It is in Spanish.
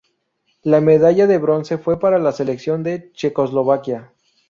La medalla de bronce fue para la selección de Checoslovaquia.